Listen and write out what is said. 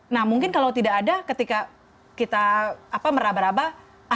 nah mungkin kalau tidak ada ketika kita meraba raba